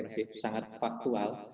sangat komprehensif sangat faktual